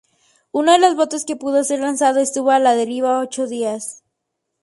Uno de los botes que pudo ser lanzado, estuvo a la deriva ocho días.